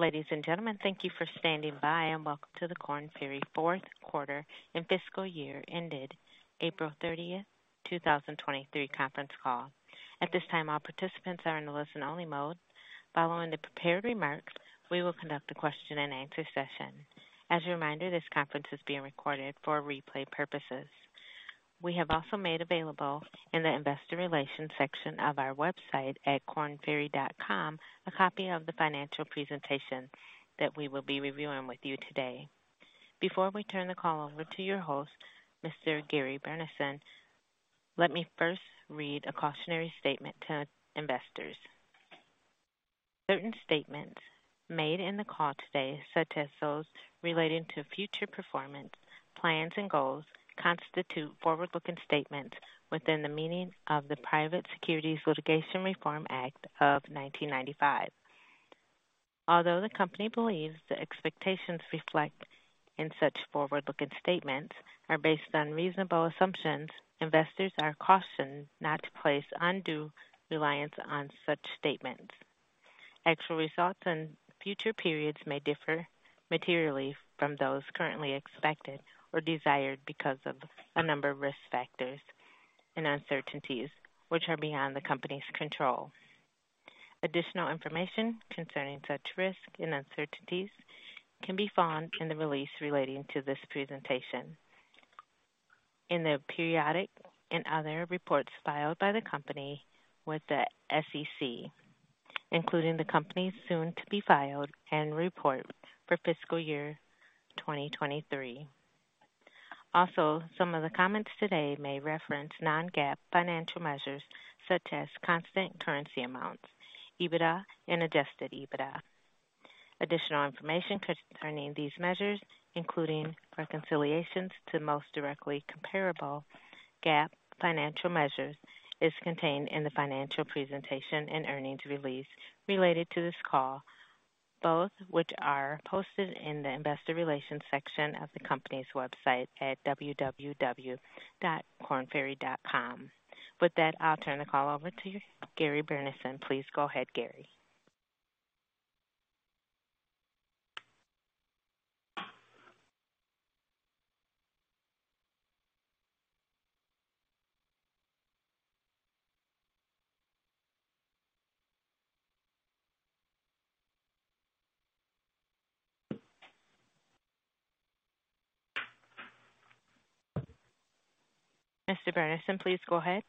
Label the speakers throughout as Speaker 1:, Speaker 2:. Speaker 1: Ladies and gentlemen, thank you for standing by, and welcome to the Korn Ferry 4th Quarter and Fiscal Year Ended April 30, 2023 Conference Call. At this time, all participants are in a listen-only mode. Following the prepared remarks, we will conduct a question-and-answer session. As a reminder, this conference is being recorded for replay purposes. We have also made available in the investor relations section of our website at kornferry.com, a copy of the financial presentation that we will be reviewing with you today. Before we turn the call over to your host, Mr. Gary Burnison, let me first read a cautionary statement to investors. Certain statements made in the call today, such as those relating to future performance, plans, and goals, constitute forward-looking statements within the meaning of the Private Securities Litigation Reform Act of 1995. Although the company believes the expectations reflect in such forward-looking statements are based on reasonable assumptions, investors are cautioned not to place undue reliance on such statements. Actual results in future periods may differ materially from those currently expected or desired because of a number of risk factors and uncertainties, which are beyond the company's control. Additional information concerning such risks and uncertainties can be found in the release relating to this presentation. In the periodic and other reports filed by the company with the SEC, including the company's soon to be filed annual report for fiscal year 2023. Some of the comments today may reference non-GAAP financial measures such as constant currency amounts, EBITDA, and adjusted EBITDA. Additional information concerning these measures, including reconciliations to the most directly comparable GAAP financial measures, is contained in the financial presentation and earnings release related to this call, both which are posted in the investor relations section of the company's website at www.kornferry.com. With that, I'll turn the call over to Gary Burnison. Please go ahead, Gary. Mr. Burnison, please go ahead.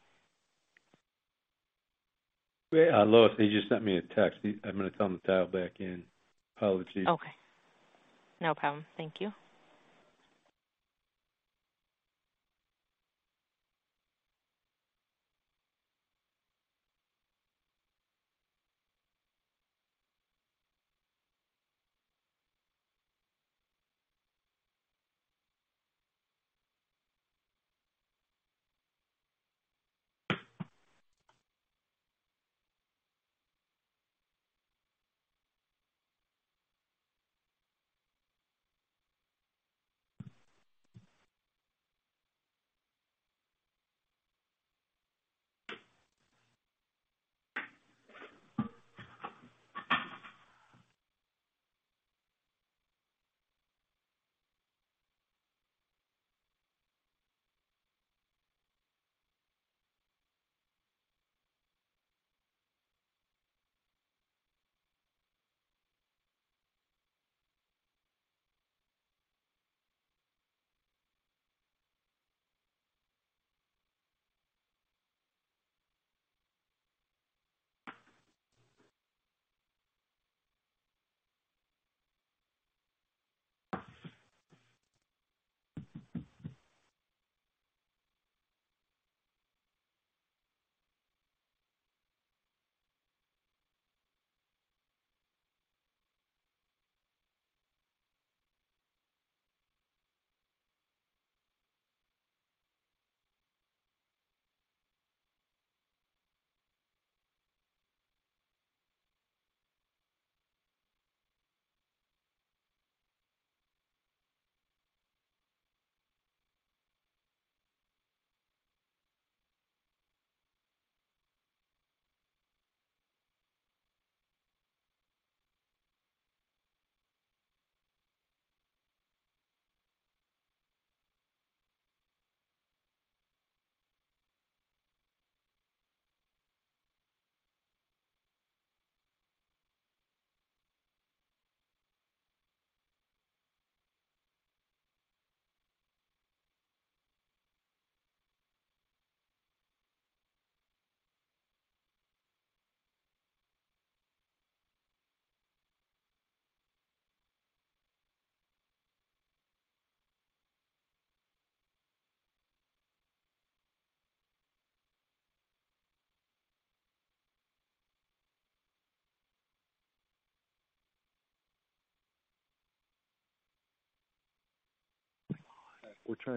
Speaker 2: Okay,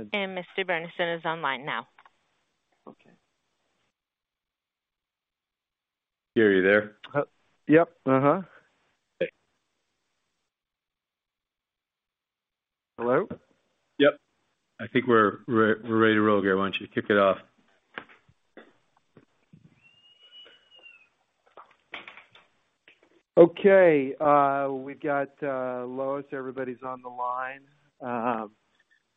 Speaker 2: we've got Lois, everybody's on the line.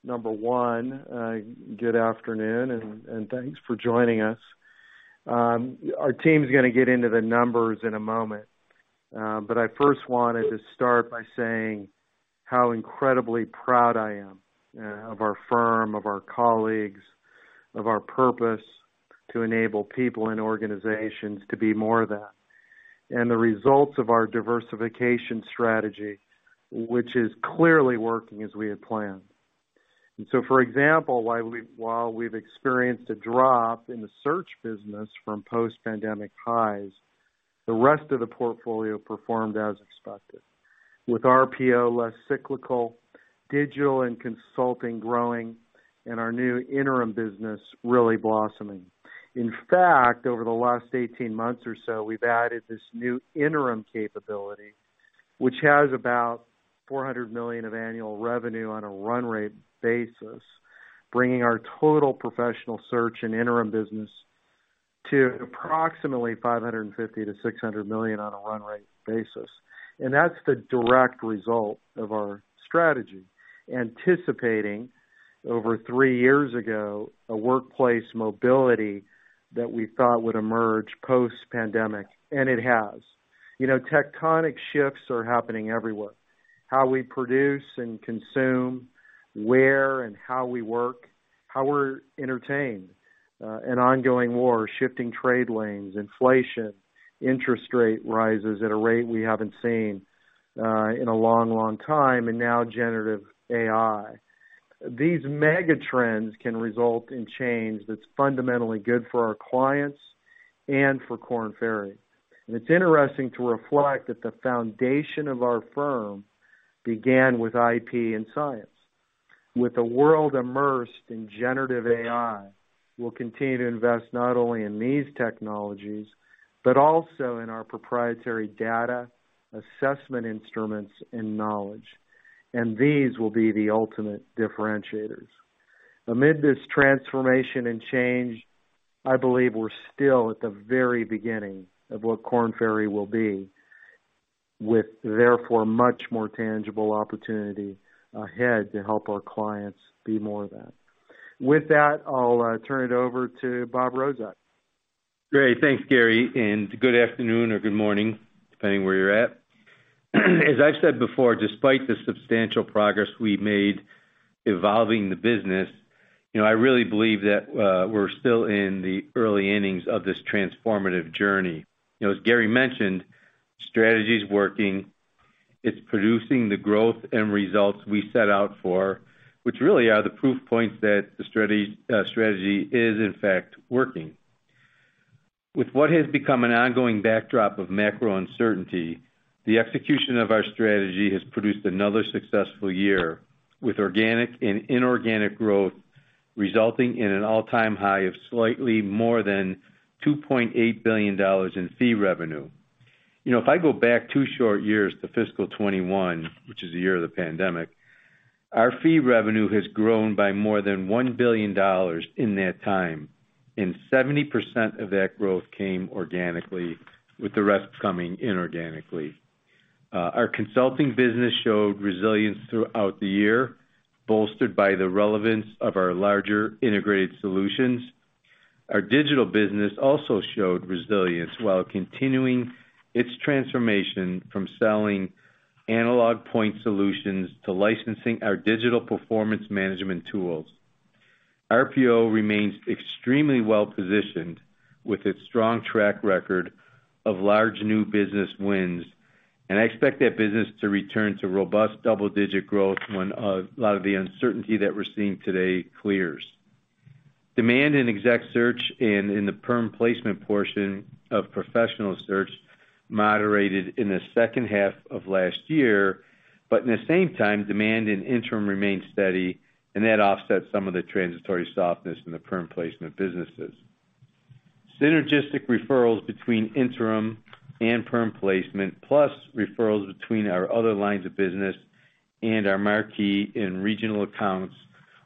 Speaker 2: Number one, good afternoon, and thanks for joining us. Our team's gonna get into the numbers in a moment, but I first wanted to start by saying how incredibly proud I am of our firm, of our colleagues, of our purpose to enable people and organizations to be more of that, and the results of our diversification strategy, which is clearly working as we had planned. For example, while we've experienced a drop in the search business from post-pandemic highs, the rest of the portfolio performed as expected, with RPO less cyclical, Digital and consulting growing, and our new interim business really blossoming. In fact, over the last 18 months or so, we've added this new interim capability, which has about $400 million of annual revenue on a run rate basis, bringing our total professional search and interim business to approximately $550 million-$600 million on a run rate basis. That's the direct result of our strategy, anticipating over 3 years ago, a workplace mobility that we thought would emerge post-pandemic, and it has. You know, tectonic shifts are happening everywhere. How we produce and consume, where and how we work, how we're entertained, an ongoing war, shifting trade lanes, inflation, interest rate rises at a rate we haven't seen in a long, long time, and now Generative AI. These mega trends can result in change that's fundamentally good for our clients and for Korn Ferry. It's interesting to reflect that the foundation of our firm began with IP and science. With the world immersed in Generative AI, we'll continue to invest not only in these technologies, but also in our proprietary data, assessment instruments, and knowledge, and these will be the ultimate differentiators. Amid this transformation and change, I believe we're still at the very beginning of what Korn Ferry will be, with therefore much more tangible opportunity ahead to help our clients be more of that. With that, I'll turn it over to Bob Rozek.
Speaker 3: Great. Thanks, Gary. Good afternoon or good morning, depending where you're at. As I've said before, despite the substantial progress we've made evolving the business, you know, I really believe that we're still in the early innings of this transformative journey. You know, as Gary mentioned, strategy's working. It's producing the growth and results we set out for, which really are the proof points that the strategy is, in fact, working. With what has become an ongoing backdrop of macro uncertainty, the execution of our strategy has produced another successful year, with organic and inorganic growth, resulting in an all-time high of slightly more than $2.8 billion in fee revenue. You know, if I go back 2 short years to fiscal 2021, which is the year of the pandemic, our fee revenue has grown by more than $1 billion in that time, and 70% of that growth came organically, with the rest coming inorganically. Our consulting business showed resilience throughout the year, bolstered by the relevance of our larger integrated solutions. Our digital business also showed resilience while continuing its transformation from selling analog point solutions to licensing our digital performance management tools. RPO remains extremely well-positioned, with a strong track record of large new business wins, and I expect that business to return to robust double-digit growth when a lot of the uncertainty that we're seeing today clears. Demand in exec search and in the perm placement portion of professional search moderated in the second half of last year, at the same time, demand in interim remained steady, that offset some of the transitory softness in the perm placement businesses. Synergistic referrals between interim and perm placement, plus referrals between our other lines of business and our marquee and regional accounts,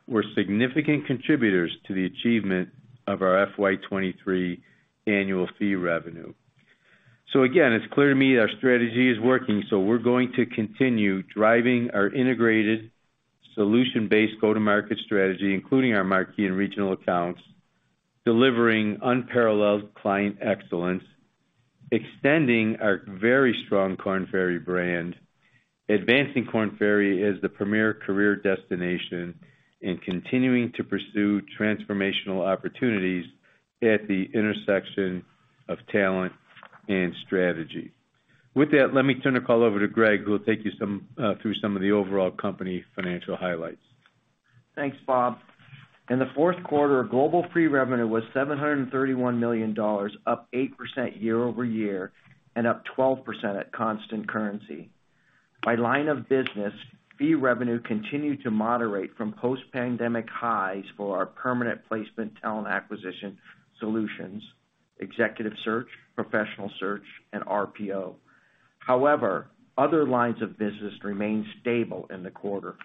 Speaker 3: were significant contributors to the achievement of our FY 2023 annual fee revenue. Again, it's clear to me our strategy is working, we're going to continue driving our integrated solution-based go-to-market strategy, including our marquee and regional accounts, delivering unparalleled client excellence, extending our very strong Korn Ferry brand, advancing Korn Ferry as the premier career destination, and continuing to pursue transformational opportunities at the intersection of talent and strategy. With that, let me turn the call over to Greg, who will take you through some of the overall company financial highlights.
Speaker 4: Thanks, Bob. In the fourth quarter, global free revenue was $731 million, up 8% year-over-year and up 12% at constant currency. By line of business, fee revenue continued to moderate from post-pandemic highs for our permanent placement talent acquisition solutions, executive search, professional search, and RPO. However, other lines of business remained stable in the quarter.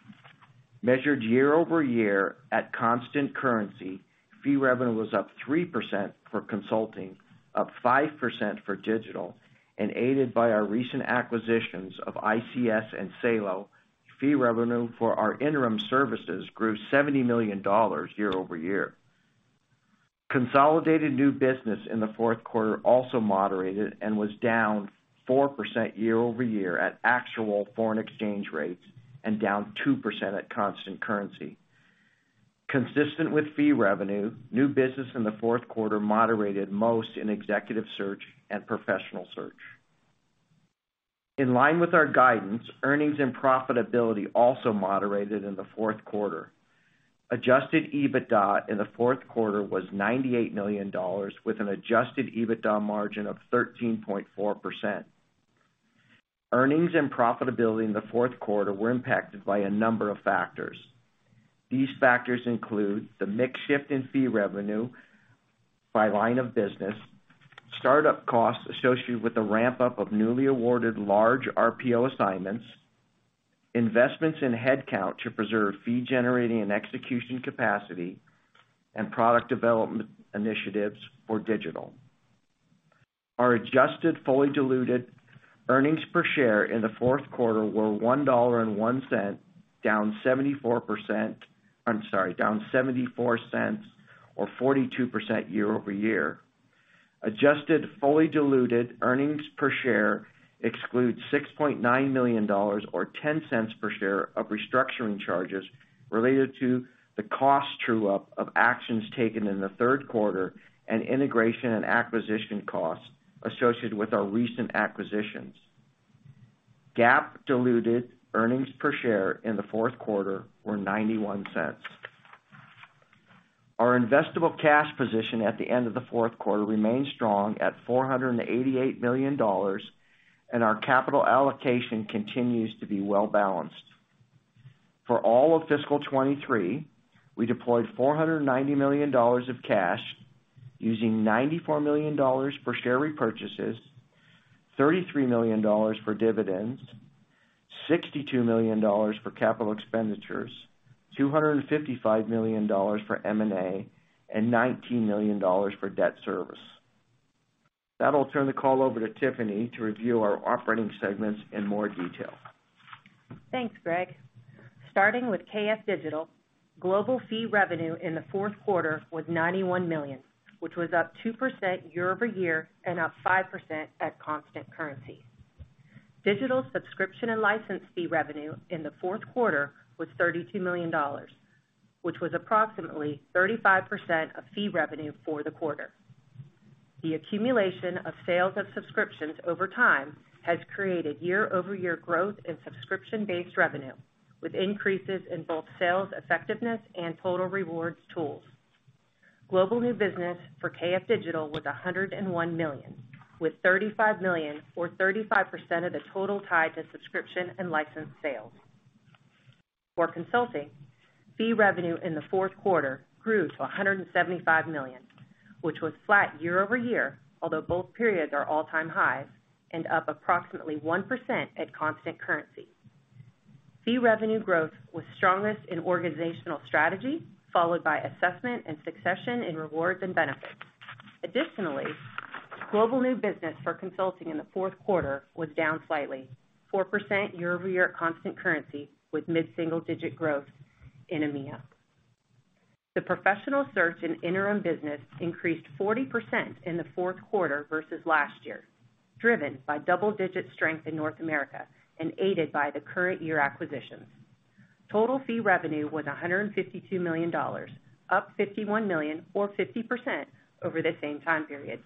Speaker 4: Measured year-over-year at constant currency, fee revenue was up 3% for consulting, up 5% for digital, and aided by our recent acquisitions of ICS and Salo, fee revenue for our interim services grew $70 million year-over-year. Consolidated new business in the fourth quarter also moderated and was down 4% year-over-year at actual foreign exchange rates, and down 2% at constant currency. Consistent with fee revenue, new business in the fourth quarter moderated most in executive search and professional search. In line with our guidance, earnings and profitability also moderated in the fourth quarter. Adjusted EBITDA in the fourth quarter was $98 million, with an adjusted EBITDA margin of 13.4%. Earnings and profitability in the fourth quarter were impacted by a number of factors. These factors include the mix shift in fee revenue by line of business, startup costs associated with the ramp-up of newly awarded large RPO assignments, investments in headcount to preserve fee-generating and execution capacity, and product development initiatives for digital. Our adjusted fully diluted earnings per share in the fourth quarter were $1.01, down 74%-- I'm sorry, down $0.74 or 42% year-over-year. Adjusted fully diluted earnings per share excludes $6.9 million or $0.10 per share of restructuring charges related to the cost true-up of actions taken in the third quarter and integration and acquisition costs associated with our recent acquisitions. GAAP diluted earnings per share in the fourth quarter were $0.91. Our investable cash position at the end of the fourth quarter remained strong at $488 million, and our capital allocation continues to be well balanced. For all of FY 2023, we deployed $490 million of cash, using $94 million for share repurchases, $33 million for dividends, $62 million for capital expenditures, $255 million for M&A, and $19 million for debt service. That'll turn the call over to Tiffany to review our operating segments in more detail.
Speaker 5: Thanks, Greg. Starting with KF Digital, global fee revenue in the fourth quarter was $91 million, which was up 2% year-over-year and up 5% at constant currency. Digital subscription and license fee revenue in the fourth quarter was $32 million, which was approximately 35% of fee revenue for the quarter. The accumulation of sales of subscriptions over time has created year-over-year growth in subscription-based revenue, with increases in both sales, effectiveness and total rewards tools. Global new business for KF Digital was $101 million, with $35 million or 35% of the total tied to subscription and license sales. For consulting, fee revenue in the fourth quarter grew to $175 million, which was flat year-over-year, although both periods are all-time highs and up approximately 1% at constant currency. Fee revenue growth was strongest in organizational strategy, followed by assessment and succession in rewards and benefits. Global new business for consulting in the fourth quarter was down slightly, 4% year-over-year constant currency, with mid-single-digit growth in EMEA. The professional search and interim business increased 40% in the fourth quarter versus last year, driven by double-digit strength in North America and aided by the current year acquisitions. Total fee revenue was $152 million, up $51 million or 50% over the same time period.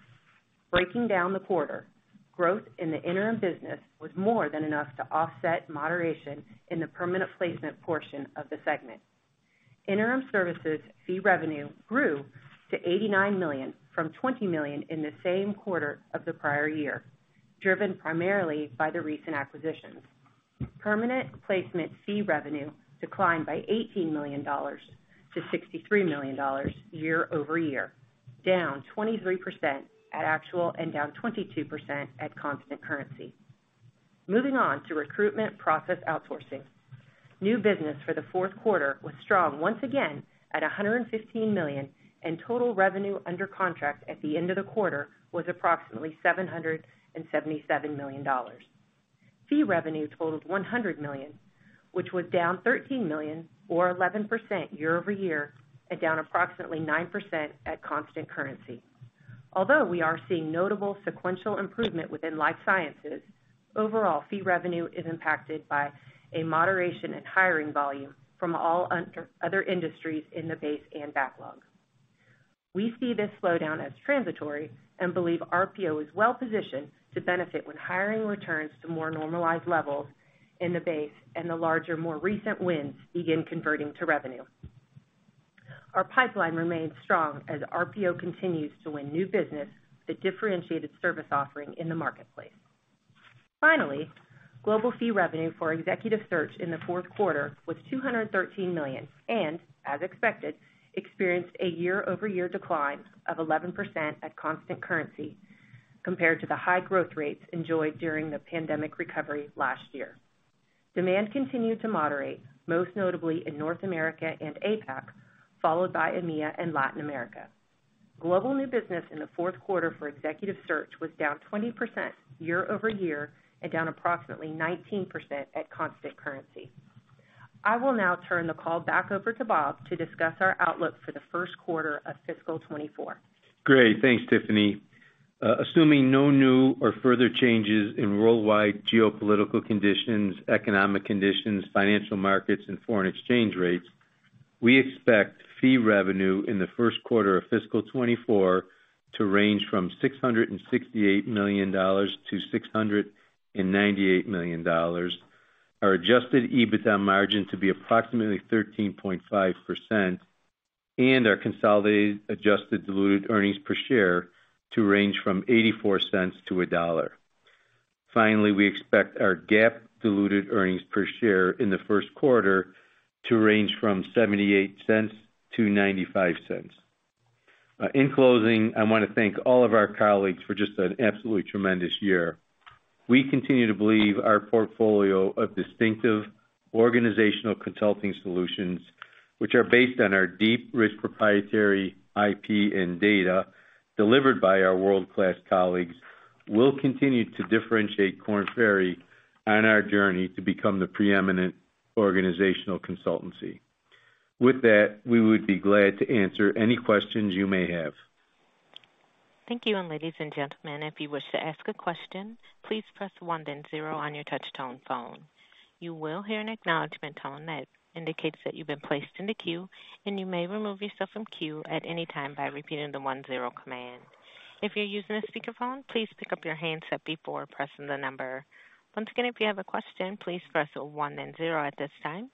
Speaker 5: Breaking down the quarter, growth in the interim business was more than enough to offset moderation in the permanent placement portion of the segment. Interim services fee revenue grew to $89 million from $20 million in the same quarter of the prior year, driven primarily by the recent acquisitions. Permanent placement fee revenue declined by $18 million to $63 million year-over-year, down 23% at actual and down 22% at constant currency. Moving on to recruitment process outsourcing. New business for the fourth quarter was strong once again at $115 million, and total revenue under contract at the end of the quarter was approximately $777 million. Fee revenue totaled $100 million, which was down $13 million or 11% year-over-year and down approximately 9% at constant currency. Although we are seeing notable sequential improvement within life sciences, overall, fee revenue is impacted by a moderation in hiring volume from all other industries in the base and backlog. We see this slowdown as transitory and believe RPO is well positioned to benefit when hiring returns to more normalized levels in the base and the larger, more recent wins begin converting to revenue. Our pipeline remains strong as RPO continues to win new business, the differentiated service offering in the marketplace. Finally, global fee revenue for executive search in the fourth quarter was $213 million, and as expected, experienced a year-over-year decline of 11% at constant currency. compared to the high growth rates enjoyed during the pandemic recovery last year. Demand continued to moderate, most notably in North America and APAC, followed by EMEA and Latin America. Global new business in the fourth quarter for executive search was down 20% year-over-year and down approximately 19% at constant currency. I will now turn the call back over to Bob to discuss our outlook for the first quarter of fiscal 2024.
Speaker 3: Great. Thanks, Tiffany. Assuming no new or further changes in worldwide geopolitical conditions, economic conditions, financial markets, and foreign exchange rates, we expect fee revenue in the first quarter of FY 2024 to range from $668 million-$698 million. Our adjusted EBITDA margin to be approximately 13.5%, and our consolidated adjusted diluted earnings per share to range from $0.84-$1.00. Finally, we expect our GAAP diluted earnings per share in the first quarter to range from $0.78-$0.95. In closing, I want to thank all of our colleagues for just an absolutely tremendous year. We continue to believe our portfolio of distinctive organizational consulting solutions, which are based on our deep, rich, proprietary IP and data delivered by our world-class colleagues, will continue to differentiate Korn Ferry on our journey to become the preeminent organizational consultancy. With that, we would be glad to answer any questions you may have.
Speaker 1: Thank you. Ladies and gentlemen, if you wish to ask a question, please press one then zero on your touchtone phone. You will hear an acknowledgment tone that indicates that you've been placed in the queue, and you may remove yourself from queue at any time by repeating the one-zero command. If you're using a speakerphone, please pick up your handset before pressing the number. Once again, if you have a question, please press one then zero at this time.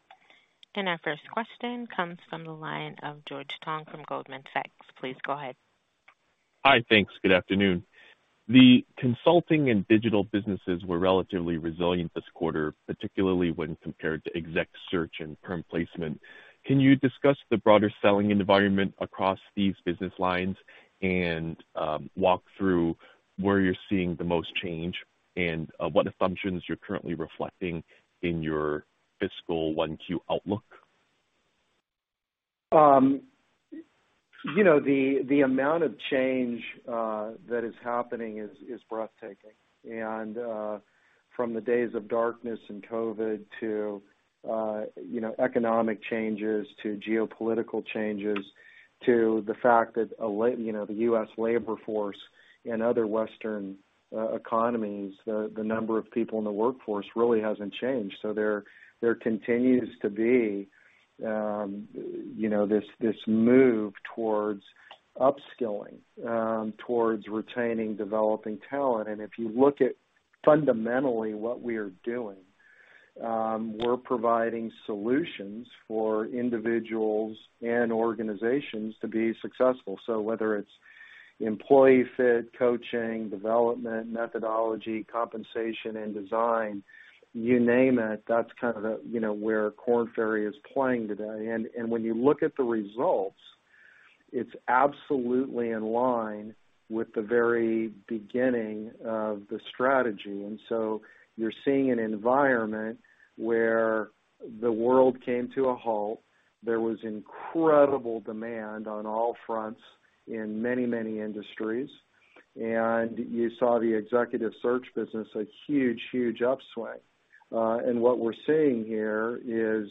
Speaker 1: Our first question comes from the line of George Tong from Goldman Sachs. Please go ahead.
Speaker 6: Hi, thanks. Good afternoon. The consulting and digital businesses were relatively resilient this quarter, particularly when compared to exec search and perm placement. Can you discuss the broader selling environment across these business lines and walk through where you're seeing the most change and what assumptions you're currently reflecting in your fiscal 1Q outlook?
Speaker 2: you know, the amount of change that is happening is breathtaking. From the days of darkness and COVID to, you know, economic changes, to geopolitical changes, to the fact that you know, the US labor force and other Western economies, the number of people in the workforce really hasn't changed. There, there continues to be, you know, this move towards upskilling, towards retaining, developing talent. If you look at fundamentally what we are doing, we're providing solutions for individuals and organizations to be successful. Whether it's employee fit, coaching, development, methodology, compensation and design, you name it, that's kind of the, you know, where Korn Ferry is playing today. When you look at the results, it's absolutely in line with the very beginning of the strategy. You're seeing an environment where the world came to a halt. There was incredible demand on all fronts in many industries, and you saw the executive search business, a huge upswing. What we're seeing here is,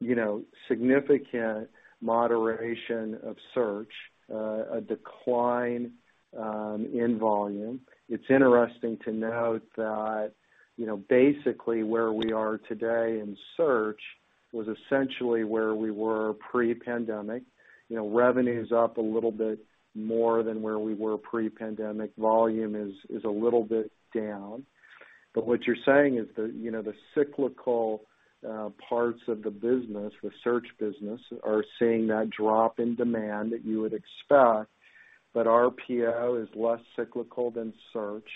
Speaker 2: you know, a significant moderation of search, a decline in volume. It's interesting to note that, you know, basically, where we are today in search was essentially where we were pre-pandemic. You know, revenue is up a little bit more than where we were pre-pandemic. Volume is a little bit down. What you're saying is, you know, the cyclical parts of the business, the search business, are seeing that drop in demand that you would expect, but RPO is less cyclical than search.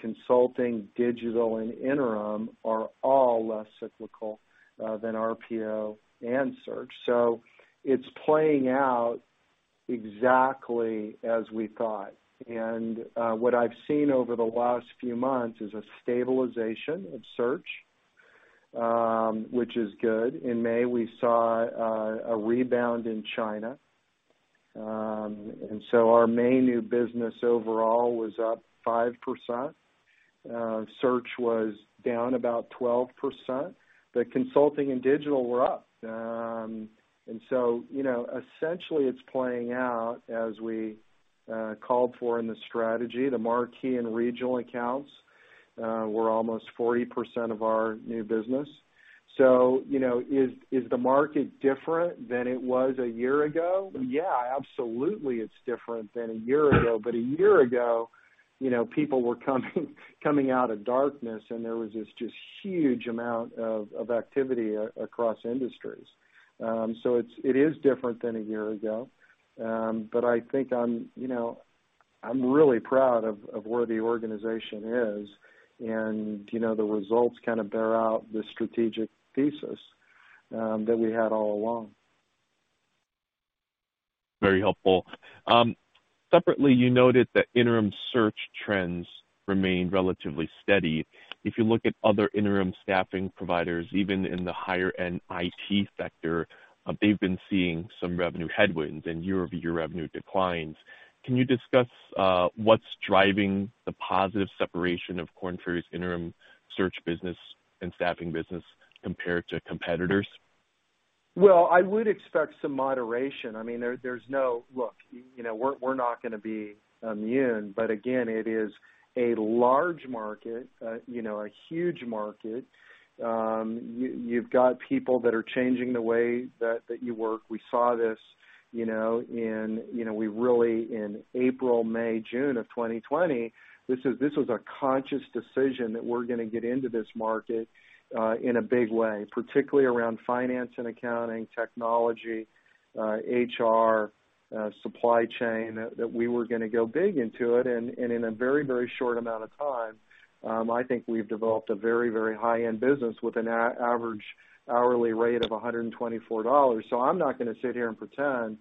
Speaker 2: Consulting, digital and interim are all less cyclical than RPO and search. It's playing out exactly as we thought. What I've seen over the last few months is a stabilization of search, which is good. In May, we saw a rebound in China. Our May new business overall was up 5%. Search was down about 12%, but consulting and digital were up. You know, essentially, it's playing out as we called for in the strategy. The marquee and regional accounts were almost 40% of our new business. You know, is the market different than it was a year ago? Yeah, absolutely, it's different than a year ago. A year ago, you know, people were coming out of darkness, and there was this just huge amount of activity across industries. It is different than a year ago. I think I'm, you know, I'm really proud of where the organization is, and, you know, the results kind of bear out the strategic thesis. That we had all along.
Speaker 6: Very helpful. Separately, you noted that interim search trends remain relatively steady. If you look at other interim staffing providers, even in the higher-end IT sector, they've been seeing some revenue headwinds and year-over-year revenue declines. Can you discuss what's driving the positive separation of Korn Ferry's interim search business and staffing business compared to competitors?
Speaker 2: Well, I would expect some moderation. I mean, there's no look, you know, we're not gonna be immune, but again, it is a large market, you know, a huge market. You've got people that are changing the way that you work. We saw this, you know, in, you know, we really, in April, May, June of 2020, this was a conscious decision that we're gonna get into this market, in a big way, particularly around finance and accounting, technology, HR, supply chain, that we were gonna go big into it. In a very, very short amount of time, I think we've developed a very, very high-end business with an average hourly rate of $124. I'm not gonna sit here and pretend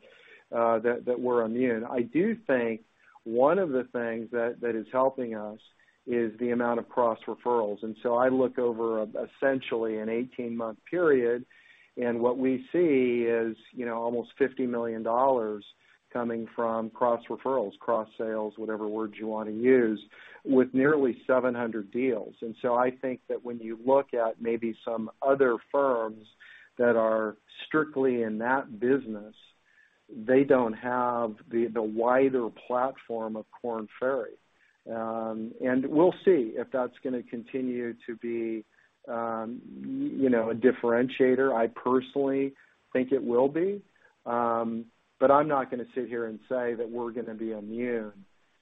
Speaker 2: that we're immune. I do think one of the things that is helping us is the amount of cross-referrals. I look over, essentially an 18-month period, and what we see is, you know, almost $50 million coming from cross-referrals, cross-sales, whatever words you wanna use, with nearly 700 deals. I think that when you look at maybe some other firms that are strictly in that business, they don't have the wider platform of Korn Ferry. And we'll see if that's gonna continue to be, you know, a differentiator. I personally think it will be. But I'm not gonna sit here and say that we're gonna be immune,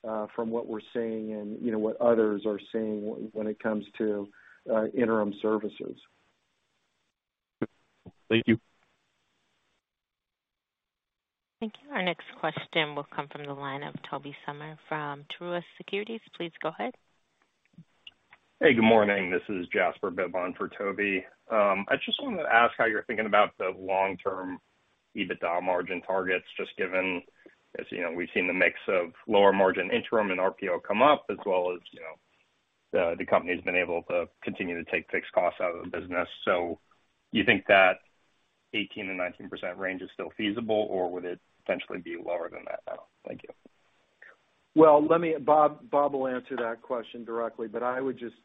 Speaker 2: from what we're seeing and, you know, what others are seeing when it comes to interim services.
Speaker 6: Thank you.
Speaker 1: Thank you. Our next question will come from the line of Jasper Bibb from Truist Securities. Please go ahead.
Speaker 7: Hey, good morning. This is Jasper Bibb for Toby. I just wanted to ask how you're thinking about the long-term EBITDA margin targets, just given, as you know, we've seen the mix of lower margin interim and RPO come up, as well as, you know, the company's been able to continue to take fixed costs out of the business. You think that 18%-19% range is still feasible, or would it potentially be lower than that now? Thank you.
Speaker 2: Well, Bob will answer that question directly, but I would just,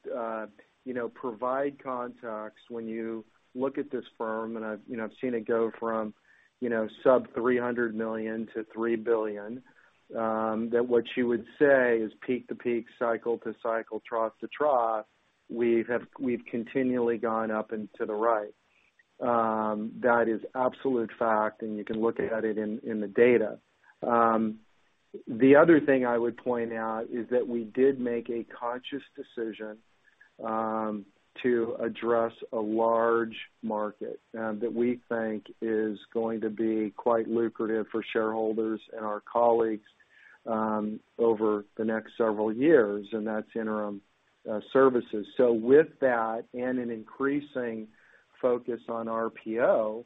Speaker 2: you know, provide context. When you look at this firm, and I've, you know, I've seen it go from, you know, sub $300 million to $3 billion, that what you would say is peak to peak, cycle to cycle, trough to trough, we've continually gone up and to the right. That is absolute fact, and you can look at it in the data. The other thing I would point out is that we did make a conscious decision to address a large market that we think is going to be quite lucrative for shareholders and our colleagues over the next several years, and that's interim services. With that and an increasing focus on RPO,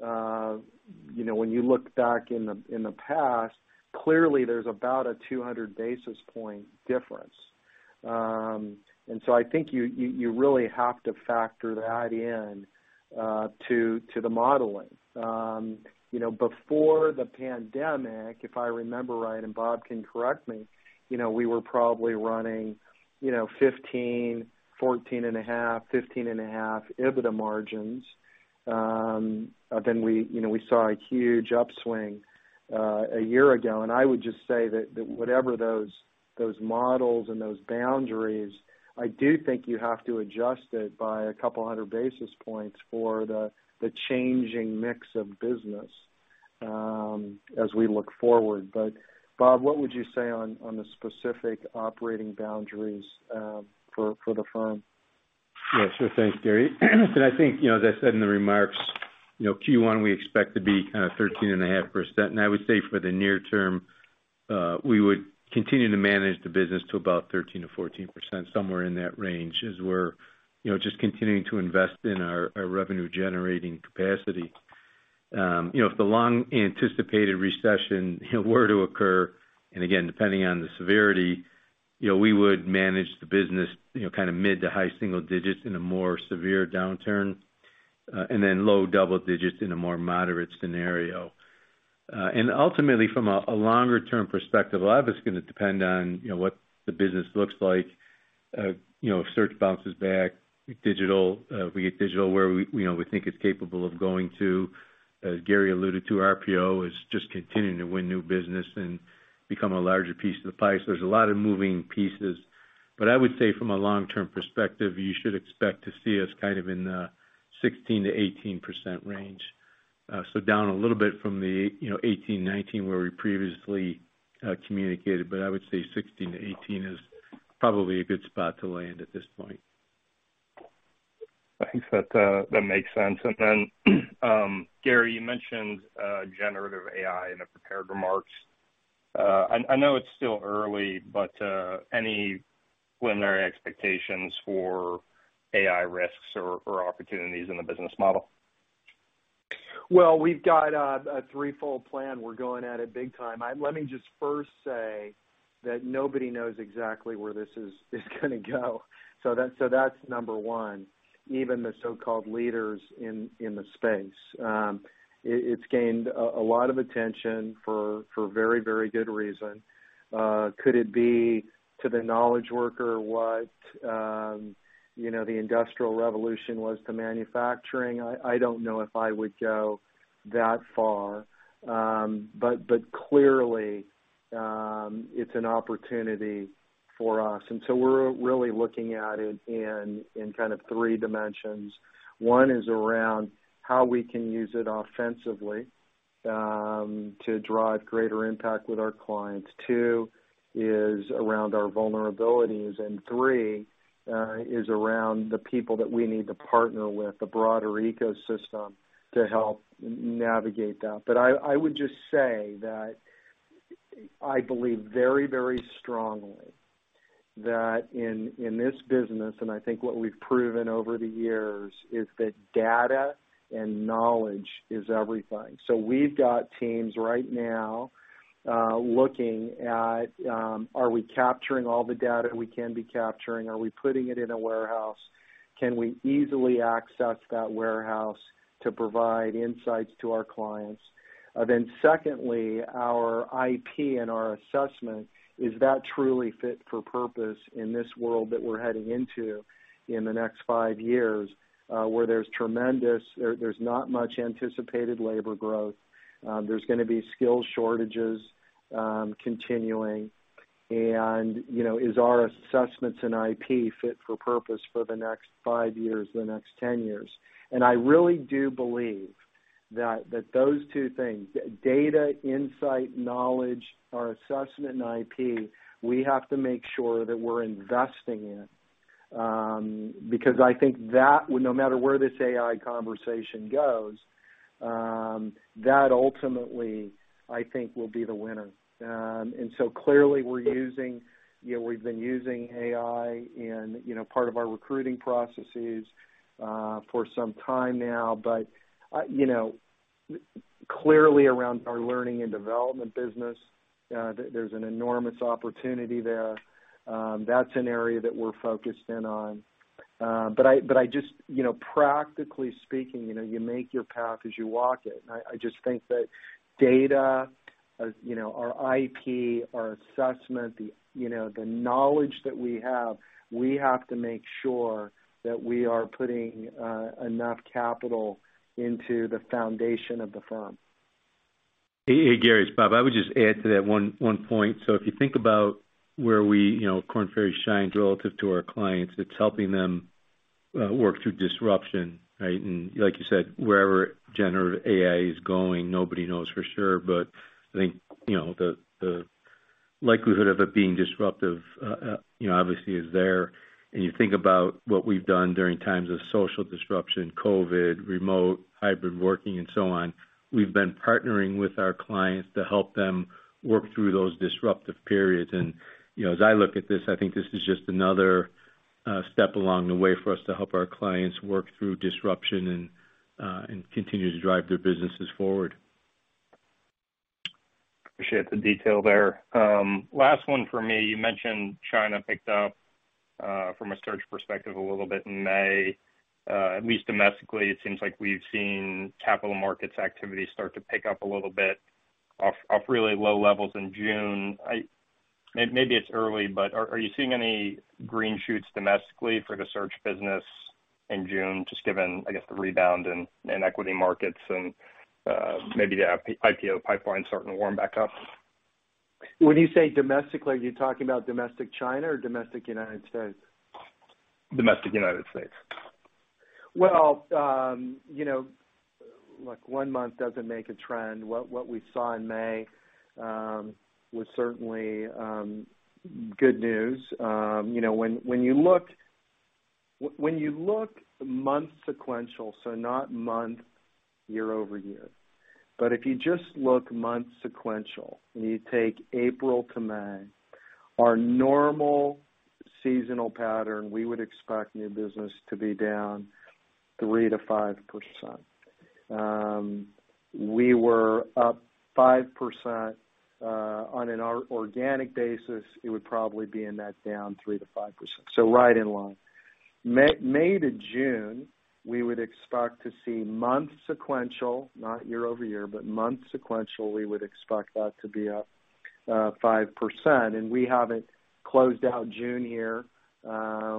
Speaker 2: you know, when you look back in the past, clearly there's about a 200 basis point difference. I think you really have to factor that in to the modeling. You know, before the pandemic, if I remember right, and Bob can correct me, you know, we were probably running, you know, 15, 14.5, 15.5 EBITDA margins. Then we, you know, we saw a huge upswing a year ago. I would just say that whatever those models and those boundaries, I do think you have to adjust it by 200 basis points for the changing mix of business as we look forward. Bob, what would you say on the specific operating boundaries for the firm?
Speaker 3: Yeah, sure. Thanks, Gary. I think, you know, as I said in the remarks, you know, Q1, we expect to be kind of 13.5%. I would say for the near term, we would continue to manage the business to about 13%-14%, somewhere in that range, as we're, you know, just continuing to invest in our revenue-generating capacity. You know, if the long-anticipated recession, you know, were to occur, and again, depending on the severity, you know, we would manage the business, you know, kind of mid to high single digits in a more severe downturn, and then low double digits in a more moderate scenario. Ultimately, from a longer-term perspective, a lot of it's gonna depend on, you know, what the business looks like. You know, if search bounces back, digital, we get digital where we, you know, we think it's capable of going to. As Gary alluded to, RPO is just continuing to win new business and become a larger piece of the pie. There's a lot of moving pieces, but I would say from a long-term perspective, you should expect to see us kind of in the 16%-18% range. Down a little bit from the, you know, 18, 19, where we previously communicated, but I would say 16-18 is probably a good spot to land at this point.
Speaker 7: I think that makes sense. Then, Gary, you mentioned, Generative AI in the prepared remarks. I know it's still early, but, any preliminary expectations for AI risks or opportunities in the business model?
Speaker 2: Well, we've got a threefold plan. We're going at it big time. Let me just first say that nobody knows exactly where this is gonna go. That's number 1, even the so-called leaders in the space. It's gained a lot of attention for very good reason. Could it be to the knowledge worker what, you know, the Industrial Revolution was to manufacturing? I don't know if I would go that far. But clearly, it's an opportunity for us. We're really looking at it in kind of 3 dimensions. 1 is around how we can use it offensively, to drive greater impact with our clients. Two is around our vulnerabilities, and three, is around the people that we need to partner with, the broader ecosystem, to help navigate that. I would just say that I believe very, very strongly that in this business, and I think what we've proven over the years, is that data and knowledge is everything. We've got teams right now, looking at, are we capturing all the data we can be capturing? Are we putting it in a warehouse? Can we easily access that warehouse to provide insights to our clients? Secondly, our IP and our assessment, is that truly fit for purpose in this world that we're heading into in the next 5 years, where there's tremendous... There's not much anticipated labor growth, there's gonna be skill shortages, continuing, and, you know, is our assessments and IP fit for purpose for the next 5 years, the next 10 years? I really do believe that those two things, data, insight, knowledge, our assessment and IP, we have to make sure that we're investing in. Because I think that, no matter where this AI conversation goes, that ultimately, I think, will be the winner. Clearly, You know, we've been using AI in, you know, part of our recruiting processes, for some time now. You know, clearly around our learning and development business, there's an enormous opportunity there. That's an area that we're focused in on. I just, you know, practically speaking, you know, you make your path as you walk it. I just think that data, as, you know, our IP, our assessment, the, you know, the knowledge that we have, we have to make sure that we are putting enough capital into the foundation of the firm.
Speaker 3: Hey, hey, Gary, it's Bob. I would just add to that one point. If you think about where we, you know, Korn Ferry shines relative to our clients, it's helping them work through disruption, right? Like you said, wherever Generative AI is going, nobody knows for sure, but I think, you know, the likelihood of it being disruptive, you know, obviously is there. You think about what we've done during times of social disruption, COVID, remote, hybrid working, and so on, we've been partnering with our clients to help them work through those disruptive periods. You know, as I look at this, I think this is just another step along the way for us to help our clients work through disruption and continue to drive their businesses forward.
Speaker 7: Appreciate the detail there. Last one for me. You mentioned China picked up from a search perspective, a little bit in May. At least domestically, it seems like we've seen capital markets activity start to pick up a little bit off really low levels in June. Maybe it's early, but are you seeing any green shoots domestically for the search business in June, just given, I guess, the rebound in equity markets and maybe the IPO pipeline starting to warm back up?
Speaker 2: When you say domestically, are you talking about domestic China or domestic United States?
Speaker 7: Domestic United States.
Speaker 2: Well, you know, look, one month doesn't make a trend. What we saw in May was certainly good news. You know, when you look month sequential, so not month year-over-year, but if you just look month sequential, and you take April to May, our normal seasonal pattern, we would expect new business to be down 3%-5%. We were up 5% on an organic basis, it would probably be in that down 3%-5%, so right in line. May to June, we would expect to see month sequential, not year-over-year, but month sequential, we would expect that to be up 5%. We haven't closed out June yet.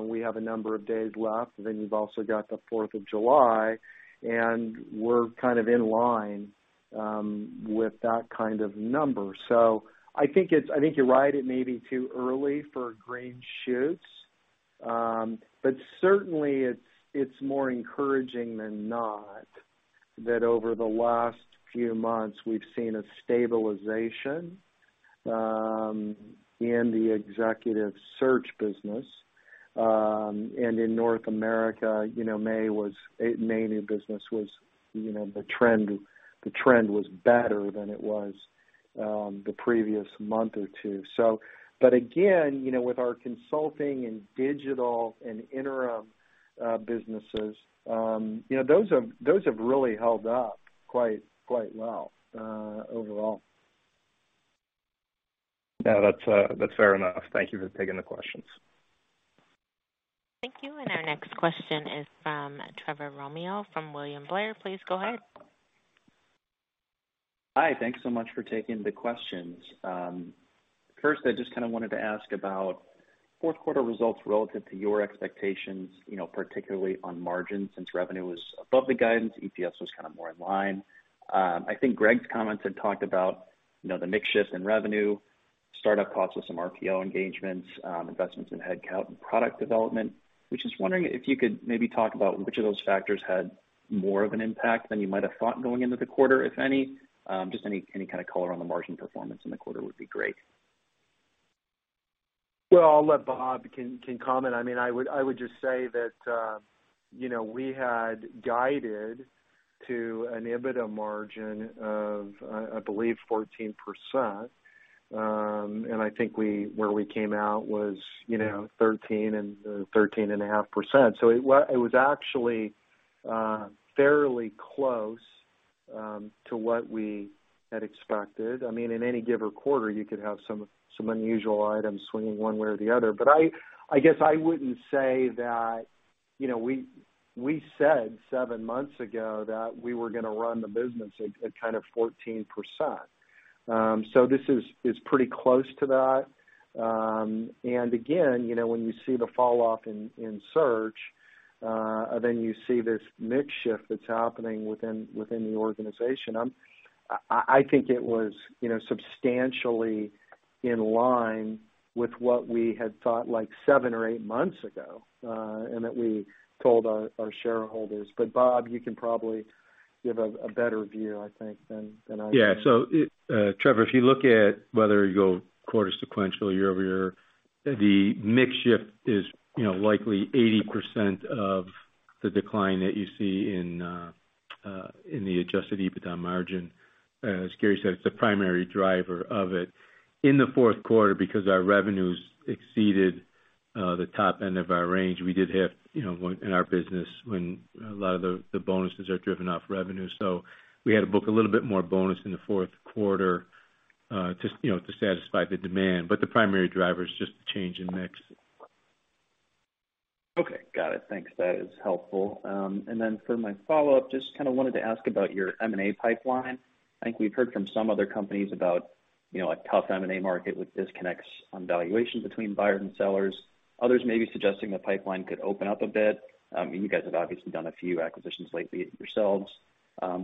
Speaker 2: We have a number of days left, then you've also got the Fourth of July, and we're kind of in line with that kind of number. I think you're right, it may be too early for green shoots, but certainly, it's more encouraging than not, that over the last few months, we've seen a stabilization in the executive search business. In North America, you know, May new business was, you know, the trend was better than it was the previous month or two. But again, you know, with our consulting and digital and interim businesses, you know, those have really held up quite well overall.
Speaker 7: Yeah, that's fair enough. Thank you for taking the questions.
Speaker 1: Thank you. Our next question is from Trevor Romeo from William Blair. Please go ahead.
Speaker 8: Hi, thanks so much for taking the questions. First, I just kind of wanted to ask about fourth quarter results relative to your expectations, you know, particularly on margins, since revenue was above the guidance, EPS was kind of more in line. I think Greg's comments had talked about, you know, the mix shift in revenue, startup costs with some RPO engagements, investments in headcount and product development. We're just wondering if you could maybe talk about which of those factors had more of an impact than you might have thought going into the quarter, if any? Just any kind of color on the margin performance in the quarter would be great.
Speaker 2: Well, I'll let Bob comment. I mean, I would just say that, you know, we had guided to an EBITDA margin of, I believe, 14%. And I think where we came out was, you know, 13.5%. It was actually fairly close to what we had expected. I mean, in any given quarter, you could have some unusual items swinging one way or the other. I guess I wouldn't say that, you know, we said 7 months ago that we were going to run the business at kind of 14%. This is pretty close to that. And again, you know, when you see the falloff in search, you see this mix shift that's happening within the organization. I think it was, you know, substantially in line with what we had thought, like seven or eight months ago, and that we told our shareholders. Bob Rozek, you can probably give a better view, I think, than I can.
Speaker 3: Yeah. Trevor, if you look at whether you go quarter sequential, year-over-year, the mix shift is, you know, likely 80% of the decline that you see in the adjusted EBITDA margin. As Gary said, it's the primary driver of it. In the fourth quarter, because our revenues exceeded the top end of our range, we did have, you know, in our business, when a lot of the bonuses are driven off revenue. We had to book a little bit more bonus in the fourth quarter, to, you know, to satisfy the demand, but the primary driver is just the change in mix.
Speaker 8: Okay, got it. Thanks. That is helpful. For my follow-up, just kind of wanted to ask about your M&A pipeline. I think we've heard from some other companies about, you know, a tough M&A market with disconnects on valuation between buyers and sellers. Others may be suggesting the pipeline could open up a bit. You guys have obviously done a few acquisitions lately yourselves.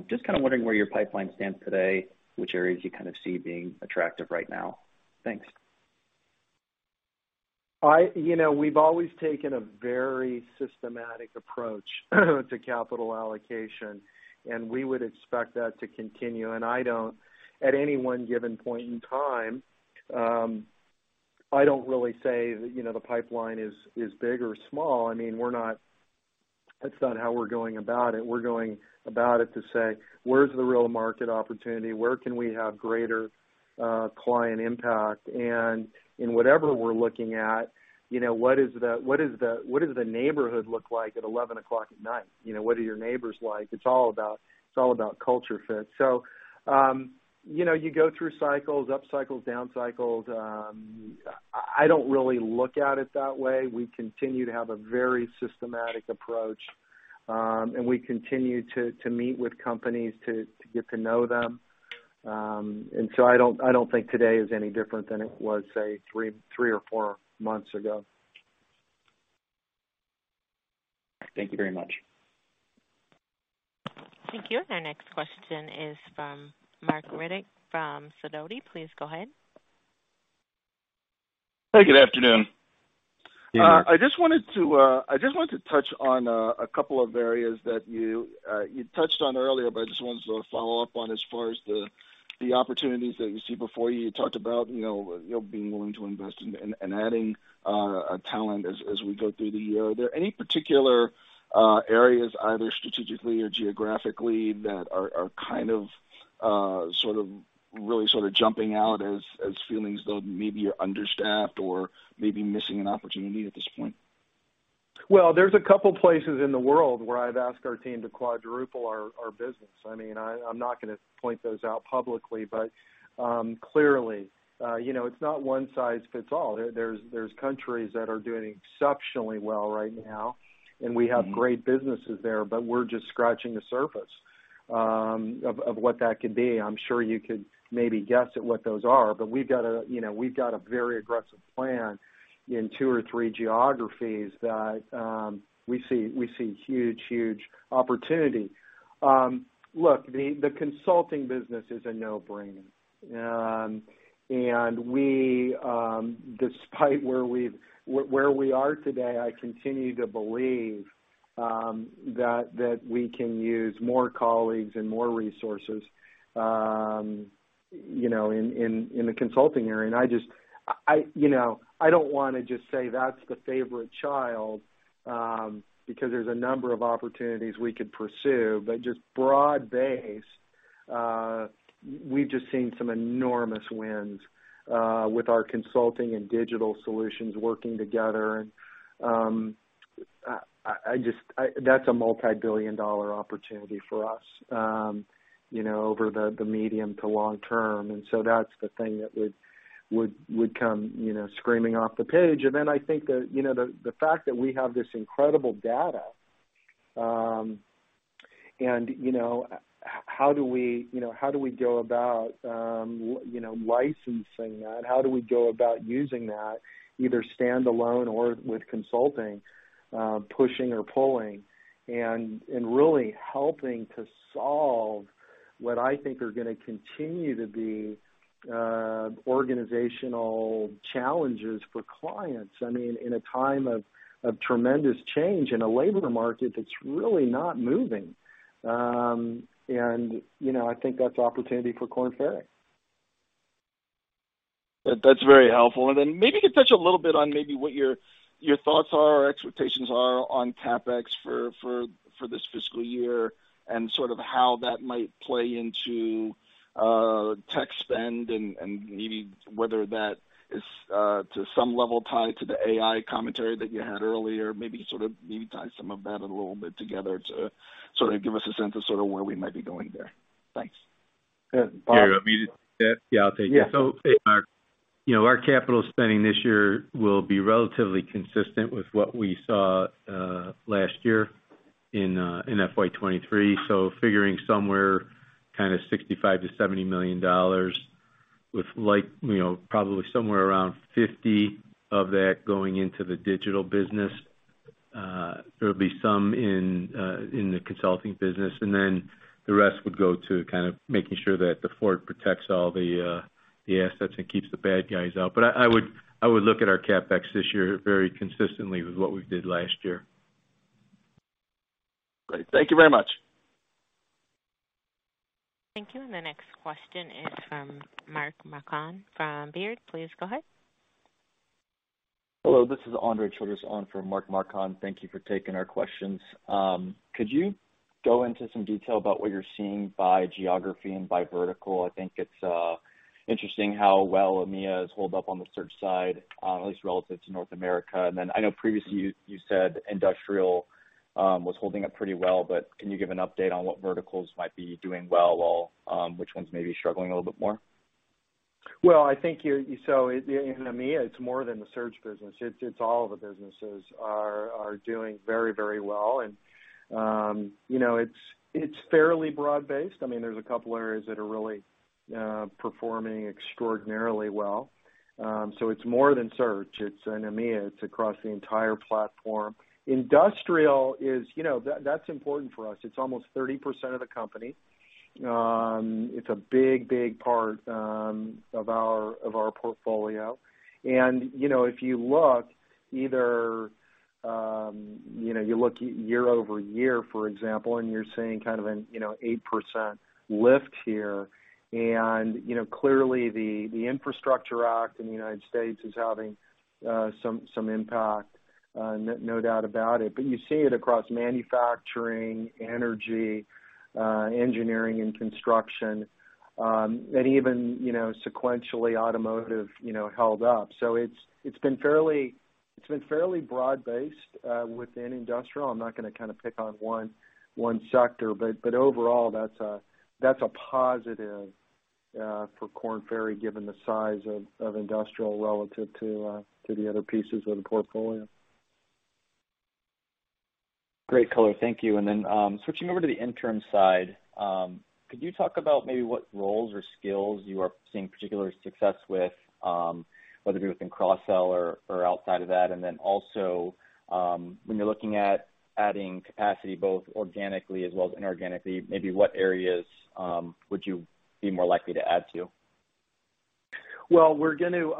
Speaker 8: Just kind of wondering where your pipeline stands today, which areas you kind of see being attractive right now? Thanks.
Speaker 2: You know, we've always taken a very systematic approach to capital allocation, and we would expect that to continue. At any one given point in time, I don't really say, you know, the pipeline is big or small. I mean, that's not how we're going about it. We're going about it to say, where's the real market opportunity? Where can we have greater client impact? In whatever we're looking at, you know, what does the neighborhood look like at 11:00 at night? You know, what are your neighbors like? It's all about culture fit. You know, you go through cycles, up cycles, down cycles. I don't really look at it that way. We continue to have a very systematic approach, and we continue to meet with companies to get to know them. So I don't think today is any different than it was, say, three or four months ago.
Speaker 8: Thank you very much.
Speaker 1: Thank you. Our next question is from Marc Riddick, from Sidoti. Please go ahead.
Speaker 9: Hey, good afternoon.
Speaker 2: Yeah.
Speaker 9: I just wanted to touch on a couple of areas that you touched on earlier, but I just wanted to follow up on as far as the opportunities that you see before you. You talked about, you know, being willing to invest and adding talent as we go through the year. Are there any particular areas, either strategically or geographically, that are kind of really sort of jumping out as feelings, though maybe you're understaffed or maybe missing an opportunity at this point?
Speaker 2: Well, there's a couple places in the world where I've asked our team to quadruple our business. I mean, I'm not gonna point those out publicly, but clearly, you know, it's not one size fits all. There's countries that are doing exceptionally well right now, and we have great businesses there, but we're just scratching the surface of what that could be. I'm sure you could maybe guess at what those are, but we've got a, you know, we've got a very aggressive plan in 2 or 3 geographies that we see huge opportunity. Look, the consulting business is a no-brainer. We, despite where we are today, I continue to believe that we can use more colleagues and more resources, you know, in the consulting area. I just, you know, I don't wanna just say that's the favorite child, because there's a number of opportunities we could pursue, but just broad-based, we've just seen some enormous wins, with our consulting and digital solutions working together. I just, that's a multibillion-dollar opportunity for us, you know, over the medium to long term. That's the thing that would come, you know, screaming off the page. Then I think that, you know, the fact that we have this incredible data, and, you know, how do we, you know, how do we go about, you know, licensing that? How do we go about using that, either standalone or with consulting, pushing or pulling, and really helping to solve what I think are gonna continue to be, organizational challenges for clients? I mean, in a time of tremendous change in a labor market that's really not moving. You know, I think that's an opportunity for Korn Ferry.
Speaker 9: That's very helpful. Then maybe you could touch a little bit on maybe what your thoughts are or expectations are on CapEx for this fiscal year, and sort of how that might play into tech spend, and maybe whether that is to some level tied to the AI commentary that you had earlier. Maybe sort of tie some of that a little bit together to sort of give us a sense of sort of where we might be going there. Thanks.
Speaker 2: Good. Bob?
Speaker 3: Yeah, I'll take that.
Speaker 2: Yeah.
Speaker 3: You know, our capital spending this year will be relatively consistent with what we saw last year in FY 2023. Figuring somewhere kind of $65 million-$70 million with, like, you know, probably somewhere around $50 million of that going into the Digital business. There'll be some in the Consulting business, the rest would go to kind of making sure that the fort protects all the assets and keeps the bad guys out. I would look at our CapEx this year very consistently with what we did last year.
Speaker 9: Great. Thank you very much.
Speaker 1: Thank you. The next question is from Mark Marcon from Baird. Please go ahead.
Speaker 10: Hello, this is Andre Childress on for Mark Marcon. Thank you for taking our questions. Could you go into some detail about what you're seeing by geography and by vertical? I think it's interesting how well EMEA has held up on the search side, at least relative to North America. I know previously you said industrial was holding up pretty well, but can you give an update on what verticals might be doing well, while which ones may be struggling a little bit more?
Speaker 2: Well, I think so in EMEA, it's more than the search business. It's all of the businesses are doing very, very well. You know, it's fairly broad-based. I mean, there's a couple areas that are really performing extraordinarily well. It's more than search. It's in EMEA, it's across the entire platform. Industrial is, you know, that's important for us. It's almost 30% of the company. It's a big, big part of our portfolio. You know, if you look either, you know, you look at year-over-year, for example, and you're seeing kind of an, you know, 8% lift here. You know, clearly the Infrastructure Act in the United States is having some impact, no doubt about it. You see it across manufacturing, energy, engineering and construction. Even, you know, sequentially, automotive, you know, held up. It's been fairly broad-based within industrial. I'm not gonna kind of pick on one sector, but overall, that's a positive for Korn Ferry, given the size of industrial relative to the other pieces of the portfolio.
Speaker 10: Great color. Thank you. Switching over to the interim side, could you talk about maybe what roles or skills you are seeing particular success with, whether it be within cross-sell or outside of that? Also, when you're looking at adding capacity, both organically as well as inorganically, maybe what areas would you be more likely to add to?
Speaker 2: Well, we're going to,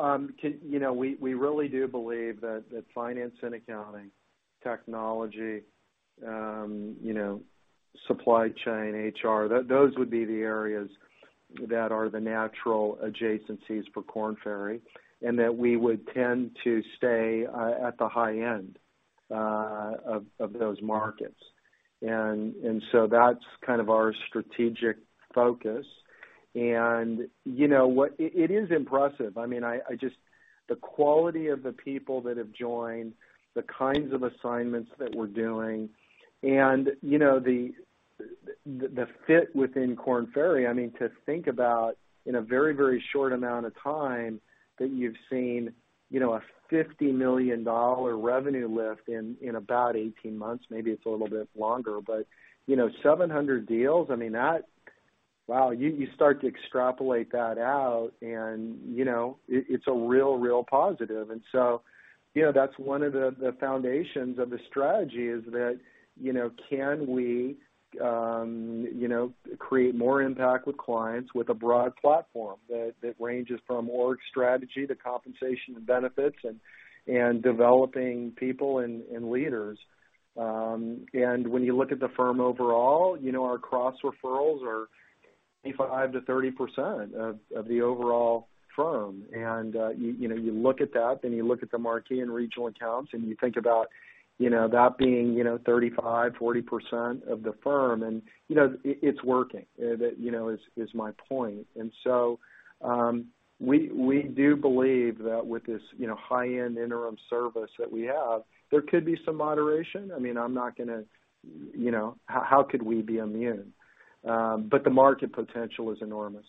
Speaker 2: you know, we really do believe that finance and accounting, technology, you know, supply chain, HR, those would be the areas that are the natural adjacencies for Korn Ferry, and that we would tend to stay at the high end of those markets. That's kind of our strategic focus. You know what? It is impressive. I mean, I just... The quality of the people that have joined, the kinds of assignments that we're doing, and, you know, the fit within Korn Ferry, I mean, to think about in a very, very short amount of time, that you've seen, you know, a $50 million revenue lift in about 18 months, maybe it's a little bit longer, but, you know, 700 deals, I mean, that, wow, you start to extrapolate that out and, you know, it's a real positive. You know, that's one of the foundations of the strategy is that, you know, can we, you know, create more impact with clients with a broad platform, that ranges from org strategy to compensation and benefits and developing people and leaders? When you look at the firm overall, you know, our cross-referrals are. 5% to 30% of the overall firm. You know, you look at that, then you look at the marquee and regional accounts, and you think about, you know, that being, you know, 35%-40% of the firm, and you know, it's working. That, you know, is my point. We do believe that with this, you know, high-end interim service that we have, there could be some moderation. I mean, I'm not gonna, you know, how could we be immune? The market potential is enormous.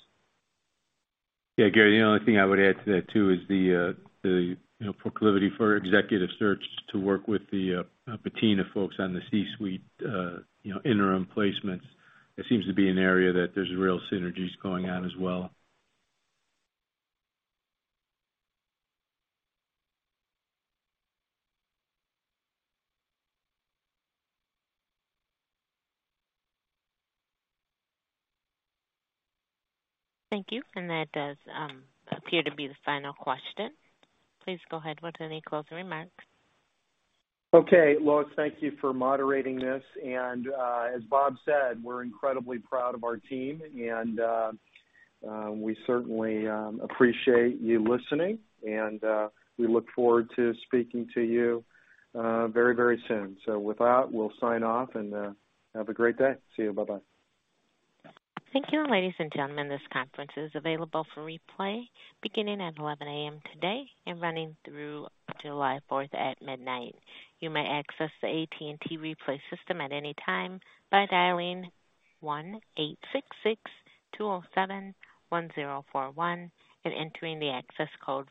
Speaker 3: Yeah, Gary, the only thing I would add to that, too, is the, you know, proclivity for executive search to work with the Patina folks on the C-suite, you know, interim placements. It seems to be an area that there's real synergies going on as well.
Speaker 1: Thank you. That does, appear to be the final question. Please go ahead with any closing remarks.
Speaker 2: Okay, Lois, thank you for moderating this. As Bob said, we're incredibly proud of our team, and we certainly appreciate you listening. We look forward to speaking to you very, very soon. With that, we'll sign off, and have a great day. See you. Bye-bye.
Speaker 1: Thank you, ladies and gentlemen, this conference is available for replay beginning at 11:00AM today and running through July Fourth at midnight. You may access the AT&T replay system at any time by dialing 1-866-207-1041 and entering the access code